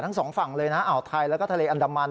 ทั้งสองฝั่งเลยนะอ่าวไทยแล้วก็ทะเลอันดามัน